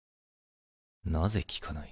なぜ効かない。